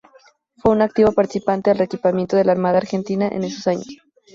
Fue un activo participante del reequipamiento de la Armada Argentina en esos años.